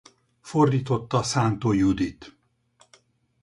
Fordította Szántó Judit.